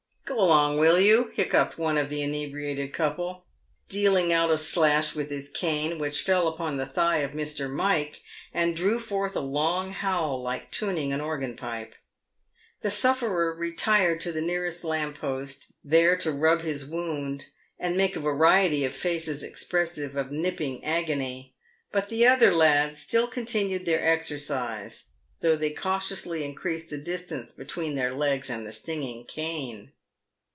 " Go along, will you," hiccupped one of the inebriated couple, dealing out a slash with his cane, which fell upon the thigh of Mr. Mike, and drew forth a long howl like tuning an organ pipe. The sufferer retired to the nearest lamp post, there to rub his wound and make a variety of faces expressive of nipping agony ; but the other lads still continued their exercise, though they cautiously increased the distance between their legs and the stinging cane.